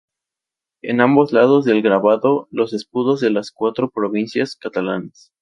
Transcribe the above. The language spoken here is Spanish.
En ambos lados del grabado los escudos de las cuatro provincias catalanas.